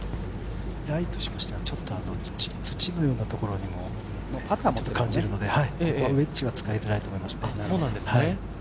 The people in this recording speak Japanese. ライは土のようなところにも感じるので、ウエッジは使いづらいと思いますね。